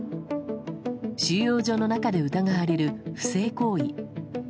収容所の中で疑われる不正行為。